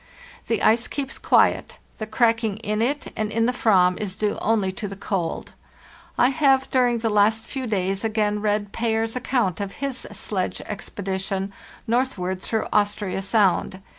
The ice keeps quiet; the cracking in it and in the Ayam is due only to the cold. I have during the last few days again read Payer's account of his sledge expedition northward through Austria Sound.